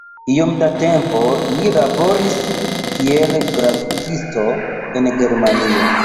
Iom da tempo li laboris kiel grafikisto en Germanio.